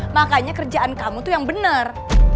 makanya kerjaan kamu tuh yang benar